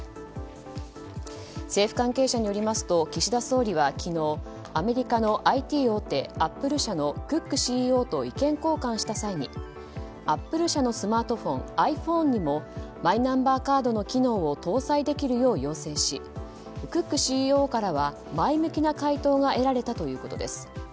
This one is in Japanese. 政府関係者によりますと岸田総理は昨日アメリカのＩＴ大手アップル社のクックＣＥＯと意見交換した際にアップル社のスマートフォンｉＰｈｏｎｅにもマイナンバーカードの機能を搭載できるよう要請しクックＣＥＯからは前向きな回答が得られたということです。